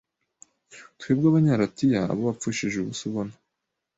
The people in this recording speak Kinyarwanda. Twebwe abanya Latiya abo wapfushije ubusa ubona